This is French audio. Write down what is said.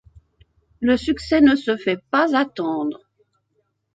Le succès ne se fait pas attendre.